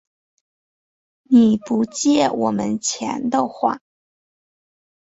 你不借我们钱的话